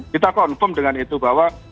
kita confirm dengan itu bahwa